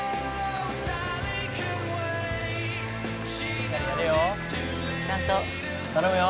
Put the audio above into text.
「しっかりやれよ」「ちゃんと」「頼むよ」